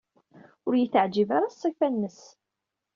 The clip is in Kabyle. Ur iyi-teɛjib ara ṣṣifa-nnes.